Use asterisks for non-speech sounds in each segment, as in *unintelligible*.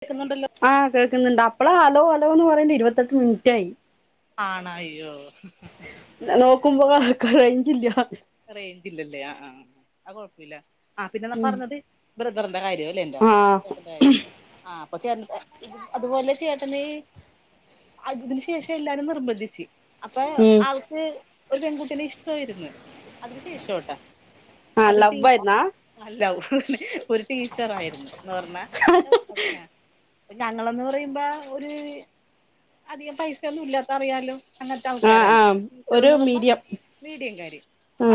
കേക്കുന്നുണ്ടല്ലോ? ആഹ് കേക്കുന്നുണ്ട് അപ്പളാ അലോ അലോ എന്ന് പറയേണ്ട് ഇരുപത്തെട്ട് മിൻറ്റായി. ആണോ അയ്യോ. നോക്കുമ്പോ ക്കാ റേഞ്ചില്ല. റേഞ്ചില്ലല്ലേ ആ ആ ആ കൊഴപ്പല്ല്യ. ആ പിന്നെ നാ ഉം പറഞ്ഞത് ബ്രദറിന്റെ കാര്യോ അല്ലേ എന്റെ ആഹ് ചേട്ടന്റെ കാര്യോ? ആഹ് അപ്പൊ ചേ അതുപോലെ ചേട്ടന്. ഇതിന് ശേഷം എല്ലാരും നിർബന്ധിച്ച് അപ്പൊ ഉം ആൾക്ക് ഒരു പെൺകുട്ടിനെ ഇഷ്ട്ടേര്ന്ന്. അതിന് ശേഷോട്ട ആഹ് അതി ടീ ലവ് ആയിരുന്നാ അ ലൗ ഒരു ടീച്ചറായിര്ന്ന് ന്ന് പർഞ്ഞാ. ഞങ്ങളന്ന് പറയുമ്പോ ഒരു അധികം പൈസ ഒന്നും ഇല്ലാത്ത അറിയാലോ അങ്ങനത്തെ ആഹ് ആൾക്കാരാണ് ആഹ് ഒരു ടീച്ചർന്ന് പറഞ്ഞ മീഡിയം മീഡിയംകാര്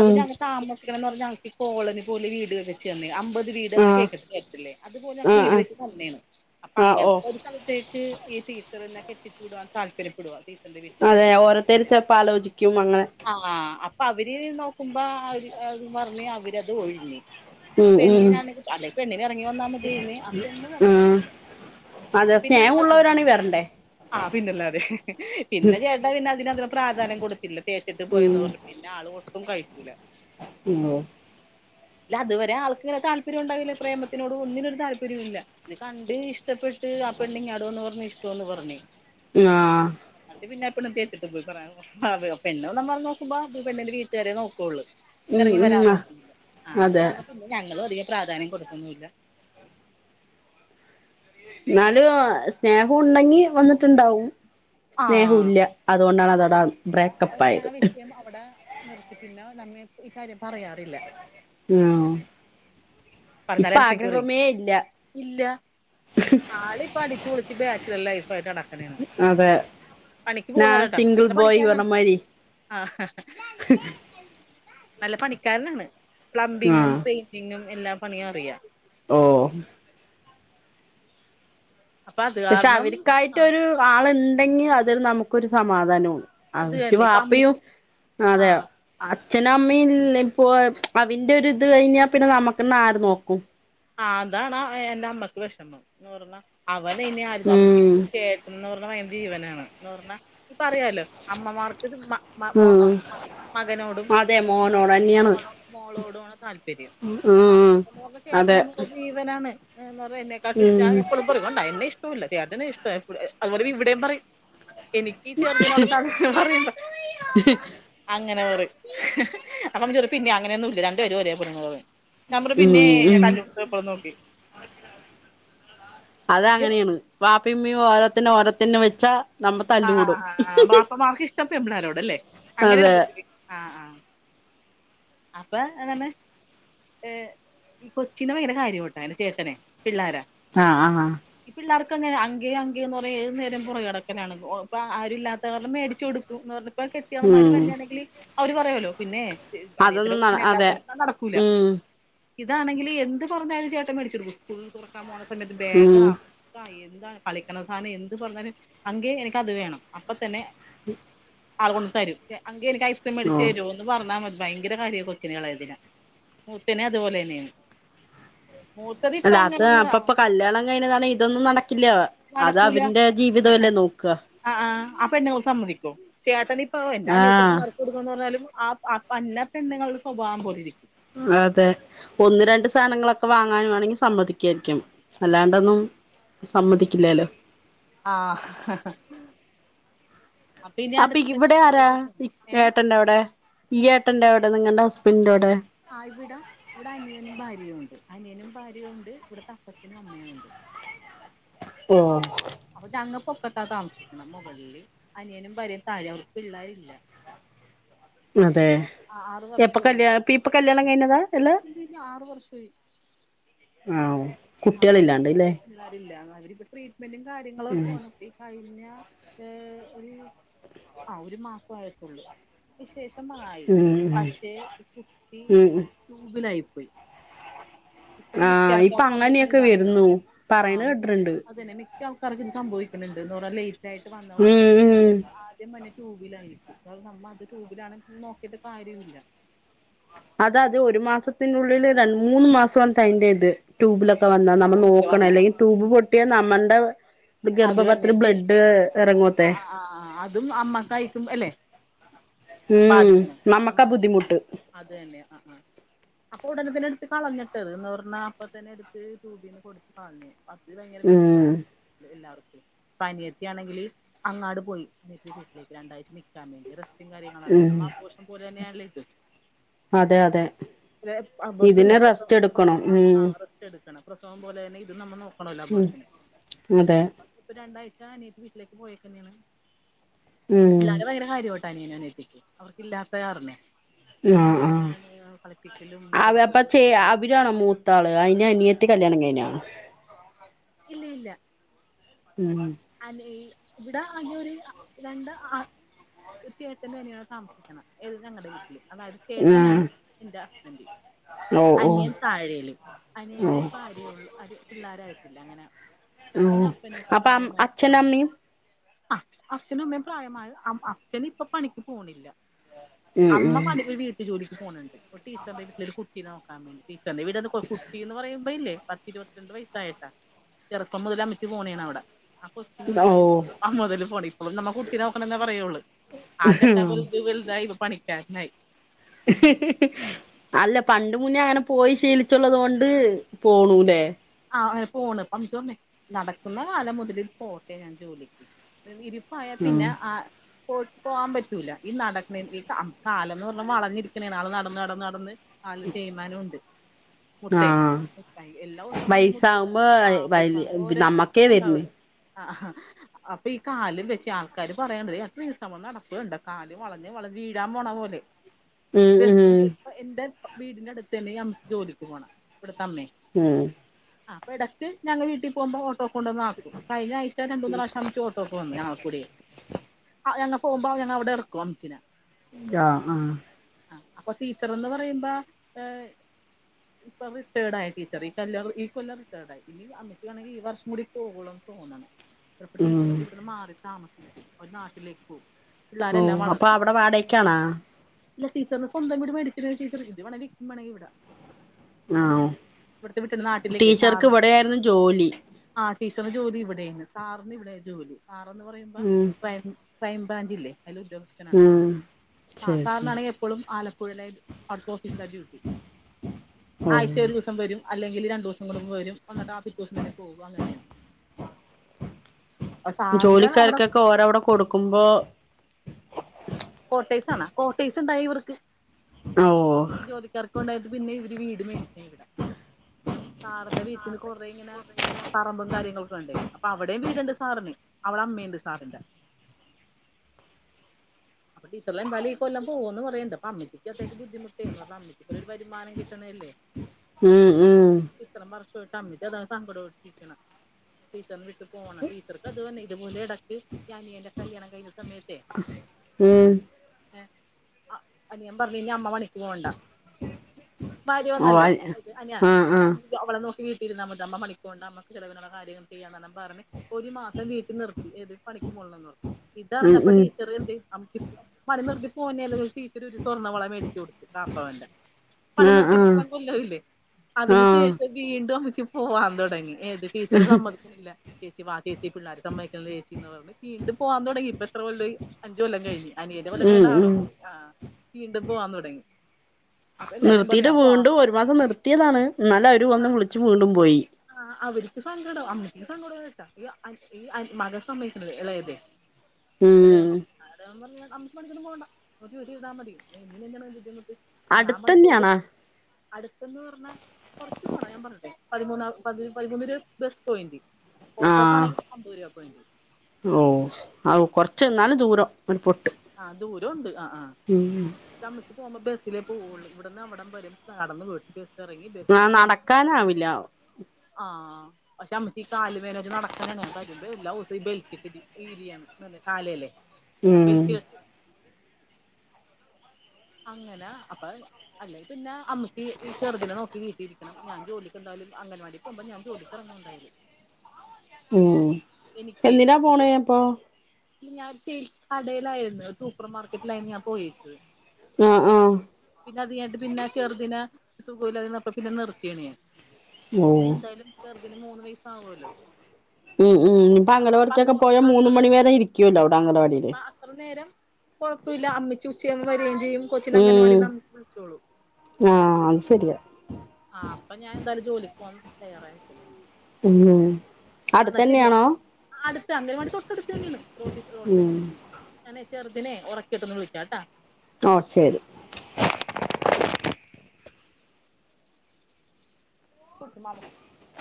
അത് ഞ താമസിക്കണംന്ന് പറഞ്ഞാ ഞങ്ങക്ക് കോളനി പോലെ വീട് ച്ചെന്ന് അമ്പത് വീട് അങ്ങന ആഹ് കേട്ടിട്ടില്ലേ അതുപോലെ ഞങ്ങക്ക് ആഹ് വീട് ആഹ് വെച്ച് തന്നെണ് അപ്പൊ ആഹ് ഓ അങ്ങൻത്തെ ഒരു സ്ഥല ത്തേക്ക് ടീച്ചറിന്നെ കെട്ടിച് വിടുവാൻ താല്പര്യപ്പെടുവാ. ടീച്ചറിന്റെ അതെ വീട്ടുകാര് ഓരോത്തർ ചെപ്പോ ആലോചിക്കും അങ്ങനെ ആഹ് അപ്പൊ അവര് നോക്കുമ്പോ അവര് പറഞ്ഞ് അവരത് ഒഴിഞ്ഞ്. ആ ഉം ഉം പെണ്ണിനാണെ അല്ലെ പെണ്ണിന് എറങ്ങി വന്നാൽ മത്യേനി ആ പെണ്ണും എറങ്ങി ഉം വന്നില്ല. അതെ പിന്നെ സ്നേഹം ഞങ്ങള് ആ ഉള്ളവരാണെ വരണ്ടേ. ആ പിന്നല്ലതെ പിന്നെ ചേട്ടാ പിന്നെ അതിനതിനധികം പ്രാധാന്യം കൊടുത്തില്ല തേച്ചിട്ട് ഉം പോയന്ന് പറ പിന്നെ ആളൊട്ടും കഴിക്കൂല. *unintelligible* ഇല്ല അതുവരെ ആൾക്ക് താല്പര്യം ഉണ്ടാവില്ല പ്രേമത്തിനോട് ഒന്നിനും ഒരു താല്പര്യം ഇല്ല. ഇത് കണ്ട് ഇഷ്ടപ്പെട്ട് ആ പെണ്ണിങ്ങാട് വന്ന് പറഞ്ഞ് ഇഷ്ടവാന്ന് പറഞ്ഞ്. ആഹ് ന്നട്ട് പിന്നെ പെണ്ണ് തേച്ചിട്ട് പോയി പ്രേമം അതെയോ പിന്നൊള് വന്ന് നോക്കുമ്പോ ഈ പെണ്ണിന്റെ വീട്ടുകാരെ നോക്കുവുള്ളു. ഉം എറങ്ങി വരാൻ ഉം നോക്കുന്നില്ല ആ അത് അതെ കാരണം പിന്നെ ഞങ്ങളും അധികം പ്രാധാന്യം കൊടുക്ക്‌ ന്നുല്ല. എന്നാലും സ്നേഹം ഉണ്ടെങ്കി വന്നിട്ടുണ്ടാവും സ്നേഹവുല്ല അതുകൊണ്ടാണ്തട അ അപ്പോ ഞാൻ ആ വിഷയം അവിടെ നിർത്തി പിന്നെ നമ്മെ ഇക്കാര്യം പറയാറില്ല ആഹ് *unintelligible* കറി ഇല്ല ഇല്ല ആളിപ്പോ അടിച്ചു പൊളിച്ച് ബാച്ച്ലർ ലൈഫ് ആയിട്ട് നടക്കയാണ് അതെ പണിക്ക് ഞാൻ പോകുന്നല്ലട്ടോ സിംഗിൾ നല്ല ബോയ് പണിക്കാരനാണ് പറഞ്ഞമാതിരി ആഹ് നല്ല പണിക്കാരനാണ് പ്ലംബിങ്ങും ആഹ് പെയിന്റിങ്ങും എല്ലാ പണിയും അറിയ ഓഹ് അപ്പൊ അത് പക്ഷെ കാരണം അവർക്കായിട്ട് ആഹ് ഒരു ആൾ ഉണ്ടെങ്കിൽ അത് നമുക്കൊരു സമാധാനു അത് അവറ്റ തന്നെ ഇപ്പൊ വാപ്പയും അമ്മച്ചി അതെ ആഹ് അച്ഛനും അമ്മല്ലങ്കി ഇപ്പോ അവന്റെ ഇത് കഴിഞ്ഞാ പിന്നെ നമ്മുക്ക്ന്ന ആര് നോക്കും ആ അതാണ് എന്റെ അമ്മക്ക് വിഷമം എന്ന് പറഞ്ഞാ അവനെ ഇനി ആര് *unintelligible* ഉം ന്ന് പറഞ്ഞാ *unintelligible* ജീവനാണ് എന്ന് പറഞ്ഞാ ഇപ്പറിയാലോ അമ്മമാർക്ക് *unintelligible* മോ ഉം മകനോടും അതെ മോനോട് അച്ഛന്മാർക്കും തന്നെയാണ് മോളോ മോളോടുമാണ് താല്പര്യം അപ്പോ ഉം അമ്മക്ക് എന്ന് പറഞ്ഞാ അതെ ചേട്ടനെ ജീവനാണ് എന്ന് പറഞ്ഞ എന്നെക്കാട്ടും ഇഷ്ട്ട ഉം എപ്പളും അത് കൊണ്ട എന്നെ ഇഷ്ടോല്ല ചേട്ടനെ ഇഷ്ട്ട്വാ അത് പോലെ ഇവിടെം പറിം എനിക്കീ ചെറുതിനിനോട് *unintelligible* അങ്ങനെഴപറിം *unintelligible* പിന്നെ അങ്ങന്യൊന്നും ഇല്ല രണ്ടു പേരും ഒരെ പോലെന്ന് പറിം നമ്മള് പിന്നെ ഞ തല്ലും നോക്കി അതങ്ങനേണ് വാപ്പിം ഇമ്മിം ഓരോത്തന്ന് ഓരോത്തെന്നെ വെച്ചാ നമ്മ ആഹ് തല്ലുകൂടും ആഹ് ബാപ്പമാർക്ക് ഇഷ്ട്ടം പെമ്പിള്ളാരോട്‌ അല്ലെ അതെ ആഹ് ആഹ് അപ്പൊ എതാണ് ഏഹ് ഈ കൊച്ചിനെ ഭയ്ങ്ക്ര കാര്യവാട്ടോ എന്റെ ചേട്ടനെ പിള്ളാരെ ആഹ് ആഹ് ഈ പിള്ളാർക്കാണെ അങ്കേ അങ്കേന്ന് പറയാ ഏത് നേരം പൊറകെ നടക്കലാണ് ഇപ്പോ ആരു ഇല്ലാത്ത കാര്ണം മേടിച്ചൊടു ന്ന് പർഞ്ഞ് ഇപ്പ കെട്ട്യോള് മാര് ഉം വര്ഞ്ഞാണെങ്കില് അവര് പറയോലോ പിന്നേ അനിത്തീടെ അതൊന്നും ന കൊച്ചിന് എല്ലാ അതെ സൽത്താ നടക്കൂല ഉം ഇതാണെങ്കില് എന്ത് പറഞ്ഞാലും ചേട്ടൻ മേടിച്ചൊടുക്കും സ്കൂള് തൊറക്കാൻ പോണ സമയത്ത് ഉം ബേഗാ കാ എന്താ കളിക്കിണ സാന എന്ത് പർഞ്ഞാലും അങ്കേ എനിക്കത് വേണം അപ്പ തന്നെ ഉ ആള് കൊണ്ട് തരും അങ്കേ എനിക്ക് ഐസ്ക്രിം മേടിച്ച് തരോ എന്ന് പർഞ്ഞാ മതി ഭയ്ങ്ക്ര കാര്യാ കൊച്ചിനെ എളേതിനെ മൂത്തനെ അതുപോലെന്ന്യേണ് അല്ല അത് അപ്പ അപ്പ കല്യാണം കഴിഞ്ഞതാണെ ഇതൊന്നും നടക്കില്ല അത് അവന്റെ ജീവിതോല്ലെ നോക്ക ആഹ് ആഹ് അപ്പെന്ന ഓൾ സമ്മതിക്കോ ചേട്ടനിപ്പൊ ആഹ് എൻ്റനിയത്തിപ്പം നട് കുടുങ്ങൂന്ന് പർഞ്ഞാലും ആഹ് ആപ് വര്ന പെണ്ണിങ്ങളെ സ്വഭാം പോലിരി അതെ ഒന്ന് രണ്ട് സാനങ്ങളൊക്കെ വാങ്ങാന് വാണെങ്കിൽ സമ്മതിക്ക്വായിരിക്കും അല്ലാണ്ടൊന്നും സമ്മതിക്കില്ലാലോ ആഹ് അപ്പിവിടെ ആരാ ചൊവ്വാഴ്ച പോണം ഇ ഏ ഏട്ടന്റാവ്ടെ ഈ ഏട്ടന്റാവ്ടെ നിങ്ങണ്ടെ ഹസ്ബന്റോടെ ആഹ് ഇവിട ഇവിട അനിയനും ഭാര്യോണ്ട് അനിയനും ഭാര്യോണ്ട് ഇവിടത്തെ അപ്പച്ചനും അമ്മയും ഉണ്ട് ഓഹ് അപ്പൊ ഞങ്ങ പൊക്കത്താ താമസിക്ക്ണെ മൊകൾല് അനിയനും ഭാര്യെം താഴെ അവർക്ക് പിള്ളാരില്ല അതെ ആ ആറ് എപ്പ കല്യാ ഇപ്പ കല്ല്യാണം കഴിഞ്ഞതാ അല്ല കഴിഞ്ഞ് ആറ് വർഷോയി ആഹ് ഒഹ് *unintelligible* പിള്ളാരില്ല അവരിപ്പൊ ട്രീറ്റ്മെന്റും ഉം കാര്യങ്ങളൊക്കാണ് കഴിഞ്ഞ ഏഹ് ഒരു ആഹ് ഒരു മാസൊവായിട്ടുള്ളു വിശേഷം ആയി ഉം പക്ഷെ ഇ കുട്ടി ഉം ഉം ട്യൂബിലായി പോയി ഇപ ആഹ് മിക്കാൾക്കും ഇപ്പൊ അങ്ങനെയൊക്കെ സംഭ്വിക്കിണിതാണല്ല വരുന്നു പറയണ ആഹ് കേട്ടിട്ടുണ്ട് അതെന്നെ മി ക്യാൾക്കാർക്കു ഇത് സംഭവിക്കിണിണ്ട് എന്ന് പർഞ്ഞ ലേറ്റ് ആയിട്ട് വന്ന അവർക്ക് ഉം ഉം ആദ്യം വന്നെ ട്യൂബ്ലായിരിക്കും പ നമ്മത് ട്യൂബിലാണെ പിന്നെ നോക്കീട്ട് കാര്യമില്ല അത അത് ഒരു മാസത്തിന്റെുള്ളിൽ രൺ മൂന്ന് മാസ്വാൺ തയ്ൻ്റെത് ട്യൂബിലൊക്കെ വന്നാ ന നമ്മ ട്യൂബില് നോക്കണം വന്നാലേ അല്ലെങ്കിൽ ടൂബ് പൊട്ടിയ നമ്മണ്ടെ അത് തന്നെ ഗർഭപാത്രം ജി ബ്ലഡ്ഡ് എർങ്ങ്വത്തെ ആഹ് ആഹ് അതും അമ്മക്കായിക്കും അല്ലെ ഉം ബാധിക്കിണ നമ്മക്കാ അമ്മക്കായ്കും ബുദ്ധിമുട്ട് അത് തന്നെ ആഹ് ആഹ് അപ്പൊ ഒടനെ തന്നെ എട്ത്ത് കളഞ്ഞിട്ടത് എന്ന് പർഞ്ഞാ അപ്പ തന്നെ എടുത്ത് ടൂബീന്ന് കൊടുത്തു കൾഞ്ഞ് അതി ഭയ്ങ്ക്ര ഉം വെഷ്മൊ എല്ലാവർക്കു അനയത്തി ആണെങ്കി അങ്ങാട് പോയി അനിയത്തി വീട്ട്ലേക്ക് രണ്ടായ്ച നിക്കാൻ വേണ്ടി റെസ് റ്റും കാര്യങ്ങളല്ലേ ഉം നമ്മ അബോഷം പോലെന്ന്യാല്ലെ ഇതും അതെ അതെ *unintelligible* അമ്പോഷനല്ല ഇതിന് റെസ്റ്റ് പ്രസവ് എടുക്കണം പ്രസവം ഉം ആഹ് റസ് എടിക്കണം പ്രസവം പോലേന്നെ ഇതും നമ്മ നോക്കണോല്ലോ ഉം അബോഷന് അതെ ഇപ്പൊ രണ്ടാഴ്ച അനീട്ട വീട്ടിലേക്ക് പോയക്കന്നെയാണ് ഉം കാര്യോട്ട അനീയൻ എത്തിക്കും അവർക്ക് ഇല്ലാത്ത കാരണേ ആഹ് ഭയങ്കര ആഹ് കാണ് കളിപ്പിക്കലും പുറത്തേക്ക് കൊണ്ടു പോവലും ഇയ്യാണോ മൂത്ത ആള് അയിന്റെ അനിയത്തി കല്ലിയാണം കൈഞ്ഞോ ഇല്ല ഇല്ല ഉം അല്ല ഇവിടെ ആകെ ഒരു രണ്ട് ചേട്ടൻ തനെയാണ് താമസിക്കണം ഏത് ഞങ്ങളടെ വീട്ടില് അതായത് ചേട്ടൻ ആഹ് നാണ് എന്റെ ഹസ്ബൻഡ് ഓ അനിയൻ ഓ താഴേയിലും ഓ അനിയന്റെ ഒരു ഭാര്യയ ഉള്ളൂ അത് പിള്ളാരായിട്ടില്ല അങ്ങനെ ഉം പിന്നെ അപ്പനും അപ്പൊ അച്ഛനും അമ്മയും അച്ഛനമ്മയും പ്രായമായ അച്ഛൻ ഇപ്പൊ പണിക്ക് പോണില്ല ഉം അമ്മ ഉം പണി വീട്ടിൽ ജോലിക്ക് പോകുന്നുണ്ട്പ്പോ ടീച്ചറിന്റെ വീട്ടിലരു കുട്ടി നോക്കാൻ വേണ്ടി *unintelligible* വീട് കുട്ടി എന്ന് പറയുമ്പോല്ലേ ഇരുപത്തിരണ്ട് വയസ്സായിട്ടാ ചെറുപ്പം മുതൽ അമ്മച്ചി പോണാണ് അവിടെ ആഹ് കൊച്ചിന് ഒരു ഓ വയസ് മുതൽ പോണം ഇപ്പം നമ്മ കുട്ടി നോക്കണന്നെ പറയുള്ളൂ ആഹ് ചേക്കൻ വെലുത്‍ ചെലുതായ് ഇപ്പം പണിക്കാരൻ ആയി *unintelligible* അല്ല പണ്ട് മുന്നേ അങ്ങനെ പോയി ശീലിച്ചുള്ളത് കൊണ്ട് പോണൂല്ലേ ആഹ് പോണ് ഇപ്പം അമ്മച്ചി പറഞ്ഞെ നടക്കുന്ന കാലം മുതലിൽ പോട്ടെ ഞാൻ ജോലിക്ക് ഇരിപ്പായ ഉം പിന്നെ ആഹ് പോ പോകാൻ പറ്റൂല ഈ നടക്ക ഈ കാലന്ന് എന്ന് പറഞ്ഞ വളഞ്ഞിരിക്കണോള് നടന്ന് നടന്ന് നടന്ന് കാൽ തേയിമാനം ഉണ്ട് മുട്ടെ മു എല്ലാം വൈസാവുമ്പോ വ നമ്മക്കേ വരണ് ആഹാ അപ്പൊ ഈ കാലും വെച്ച ആൾക്കാര് പറയണ്ടത് എട്ടു ദിവസം നടപ്പ് കണ്ടാ കാല് വളഞ്ഞ് വളഞ് വീഴാൻ പോണ പോലെ ഉം ഉം *inaudible* എന്റെ വീടിന്റെ അടുത്ത് തന്നെ മ്മക്ക് ജോലിക്ക്പോണേ ഇവിടത്തെ അമ്മേ ഉം ആഹ് അപ്പ ഇടക്ക് ഞങ്ങൾ വീട്ടിൽ പോക്പോ ട്ടക്ക കൊണ്ട വന്ന ആക്കും കഴിഞ്ഞ ആഴ്ച രണ്ടൂന്ന് പ്രാശ്യം ഓട്ടോക്കെ വന്ന ഞങ്ങൾ കൂടി ആഹ് ഞങ്ങ പോകുമ്പോ ഞങ്ങ അവിടെ ഇറക്കും അമ്മച്ചിനെ ആഹ് ആഹ് ആഹ് അപ്പൊ ടിച്ചർ എന്ന് പറയുമ്പോ ഇപ്പൊ റിട്ടേഡ് ആയ ടീച്ചർ ഈ കല്യാണം കഴി ഇകൊല്ലം റിട്ടേർഡ ആയി ഇനി അമ്മക്ക് വേണെങ്കിൽ ഈ വർഷം കൂടി പോകണം തോണ് ചിലപ്പോ ടീച്ചർ ഉം എന്താ ഇവിടുന്ന് മാറി താമസിക്കും അവര് നാട്ടിലേക്ക് പോവും ഓ പിള്ളാര് എല്ലാം അപ്പൊ വളർന്ന് അവിടെ വാടകക്കാണാ ഇല്ലടീച്ചറിന സ്വന്തം വിട് മേടിച്ചത് ടീച്ചർ ഇത് വളരെ ഇക് മണ ഇവിടെ ആ ഇവിട്ത്തെ വിട്ടിൽ നാട് ടീച്ചർക്ക് ഇവിടെയായിരുന്നു ജോലി ആഹ ടീച്ചറിന് ജോലി ഇവിടെന്ന് സാറിന് ഇവിടെ ജോലി സാറെന്ന് പറയുമ്പോ ഉം ഭയ ക്രൈംബ്രാഞ്ച്ല്ലേ അതിൽ ഉദ്യോഗസ്ഥനാണ് ഉം ആഹ് ശരി ശരി സാറിനാണെങ്കിൽ എപ്പ ഇപ്പോളും ആലപ്പുഴയിലെ അവിടത്തെഓഫീസിലാ ഡ്യൂട്ടി ഓ ആഴ്ച്ച ഒരു ദിവസം വരും അല്ലെങ്കിൽ രണ്ട് ദിവസം കുടുമ്പോ വരും എന്നിട്ട് ആഹ് പിറ്റേ ദിവസം തന്നെ പോകും അങ്ങനെയാണ് സാറിന്റെ അവിടെ ജോലിക്കാർക്കൊക്കെ ഓരവിടെ കൊടുക്കുമ്പോ കോട്ടേസ് ആണ് കോട്ടേസ് ഉണ്ടായി ഇവർക്ക് ഓ ഈ ജോലിക്കാർക്ക് ഉണ്ടായിട്ട് പിന്നെ ഇവര് വീട് മേടിക്കെ സാറിന്റെ വീട് ഇത് കൊറെ ഇങ്ങനെ പറമ്പും കാര്യങ്ങളൊക്കെ ഉണ്ട് അപ്പോഅവിടെയും വീടുണ്ട് സാറിന് അവളടെ അമ്മയുണ്ട് സാറിന്റെ അപ്പോ ടീച്ചർ എന്താല് എന്തായാലും ഈ കൊല്ലം പോവുന്ന് പറയണ്ട്. അമ്മച്ചിക്ക്ത്തേക്ക് ബുദ്ധിമുട് ന്നു പറഞ്ഞ അമ്മച്ചി ഇത്രൊ ഒരു വരുമാനം കിട്ടണേല്ലേ. ഉം ഉം ഇത്രേം വർഷമായിട്ട് അമ്മിച്ചി അതാണ് സങ്കടം ആയിട്ടിരിക്ണ. ടീച്ചറിന് വിട്ടു പോണം. ടീച്ചർക്ക് അത് തന്നെ ഇതുപോലെ ഇടക്ക് അനിയന്റെ കല്യാണം കഴിഞ്ഞ സമയത്തെ ഉം ഏ അനിയൻ പറഞ്ഞ് ഇനി അമ്മ പണിക്ക് പോകണ്ട. ഭാര്യ ഓ ആ വന്ന്ല്ലോ അത് അനാ ആ അപ്പോ നമ്മ അവളടെ നോക്കി വീട്ടിൽ ഇരുന്നാൽ മതി. അമ്മ പണിക് പോണ്ട ചില വിനുള്ള കാര്യങ്ങൾ ചെയ്യാന് അണ് പറഞ്. ഒരു മാസം വീട്ടിൽ നിർത്തി. ഏത് പണിക്ക് പോണില്ലന്ന് അറിഞ്ഞപ്പോ. ഇത് ഉം ഉം അറിഞപ്പോടീച്ചർ എന്തേ അമ്മിച്ചി പണിനിർത്തി പോനെന്ന് രുതി ടീച്ചർ ഒരു സ്വർണവള മേടിച്ച് കൊടുത്തു കാ പ്പവന്റ. പണി ആ നിർത്തി ആ ഇത്ര കൊല്ലോ ആയില്ലെ. ആ അതിന് ശേഷം വീണ്ടും അമ്മച്ചി പോവാൻ തുടങ്ങി. ഏത് ടിച്ചറ് സമ്മതിക്കണില്ല. ചേച്ചി വാ ചേച്ചി പിള്ളേര് സമ്മതിക്കുന്നില്ല ചേച്ചിന്ന് പറഞ്ഞ്, വീണ്ടും പോവാൻ തുടങ്ങി. ഇപ്പംത്ര കൊല്ലം ആയി അഞ്ച് കൊല്ലംകഴിഞ്ഞു. അനിയന്റെ കൊല്ലം ഉം കഴിഞ് ആറ്‌ ഉം ആ വീണ്ടും പോവാൻ തുടങ്ങി. അപ്പൊ എല്ലാരും നിർത്തിയിട്ട് പറഞ്ഞു അപ്പൊ വീണ്ടും ഒരു മാസം നിർത്തിയതാണ്. എന്നാല് അവരു വന്ന് വിളിച്ച് വീണ്ടും പോയി. ആ അവര്ക്ക് സങ്കടം. അമ്മക്ക് സങ്കടവുമായി കേട്ടാ. ഈ ഈ മകൻ സമ്മതിക്കള്ളെ മകൻ ഇളയത്. *inaudible* ഉം ഇളയ മകൻ അത്‌ അവൻ പറഞ്ഞു അമ്മച്ചി പണിക്ക് ഒന്നും പോവണ്ട. വീട്ടില് ഒതുങ്ങി ഇരുന്നാ മതി. ഇനി എന്താ ബുദ്ധിമുട്ട്. ഞാൻ പണിക് പോണ്ട്. അടുത്തന്നെയാണാ അടുത്തന്ന് പറഞ്ഞ കൊറച്ചു പോണം. ഞാൻ പറഞ്ഞിലെ പതിമൂന്നാ പതിൽ പതിമൂന്ന് രൂപ ബസ് പോയിന്റ്. ആ ഓട്ടോക് ആണെങ്കിൽ അമ്പത് രൂപ പോയിന്റ്. ഓ ആവു കുറച്ച് ന്നാലും ദൂരം ഒരു പൊട്ട്. ആഹ ദൂരം ഉണ്ട് ആഹ ആഹ. ഉം അമ്മച്ചിപോകുമ്പോ ബസിലെ പോകുള്ളൂ. ഇവിടുന്ന് അവിടം വരെ നടന്ന് വീട്ക്ക് എ എറങ്ങി ആ ബസിന്ന് പിന്നെ *unintelligible* നടക്കാനാവില്ല ആ പക്ഷേ അമ്മച്ചികാല് വേദന ആയിട്ട് നടക്ണെണ്. വരുമ്പേ എല്ലാ ദിവസവും ബെൽടി റ്റിടി ഈരിയാണ് കാലെല്ലേ. ഉം അങ്ങന അപ്പൊ അല്ലെ പിന്നെ അമ്മച്ചി ഈ ചെറുതിനെ നോക്കി വീട്ടിൽ ഇരിക്കി ണം. ഞാൻ ജോലിക്ക് എന്തായാലും അംഗനവാടി പോകുമ്പോ ഞാൻ ജോലിക്ക് ഇറങ്ങും എന്തായലും. ഉം എനിക്കേ എന്തിനാ പോണ് അപ്പൊ? ഞാൻ സ്റ്റിൽ കടയിലായിരുന്നു. ഒരു സൂപ്പർ മാർക്കറ്റിലായിരുന്നു ഞാൻ പോയേച്ചത്. ആഹ ആഹ. പിന്നെ അത് കഴിഞ്ഞയിട്ട് പിന്നെ ചെറുതിന സുഖലായിരുന്നപ്പോ പിന്നെ നിർത്തിയെണ് ഞാൻ. ഓ ഇനി എന്തായാലും ചെറ്തിന് മൂന്ന് വയസ് ആവോല്ലോ. ഉം ഉം ഇപ്പൊ അംഗനവാടികൊകെ അങ്ങനെ പോയാ, ആ മൂന്ന് മണി വരെ ഇരിക്കുവല്ലോ അവ്ടെ അംഗവാടില്. ത്ര നേരം കൊഴപുല്ല. അമ്മിച്ചി ഉച്ചയവുമ്പ വരെ ചെയ്യും, കൊച്ചിനെ അങ്ങനവാടിന്ന് അമ്മച്ചി വിളിച്ചോളും. ആഹ് അത് ശെരിയ. ആഹ് അപ്പ ഞാൻ ന്തായാലും ജോലിക്ക് പോവാന്ന് തയ്യാറായിരികണെന്ന്. ഉം. അന്നാ ശെരി. അടുത്തന്നെയാണോ ആ അടുതാണ് ഞങ്ങടെ തൊട്ടടുത്ത് തന്നെണ് റോട്ടി ഉം റോട്ടടുത്ത് ന്നെണ്. ഞാനെ ചെറ്തനെ ഒറക്കിട്ടൊന്ന് വിളിക്കാട്ടാ. ഓ ശെരി. *unintelligible*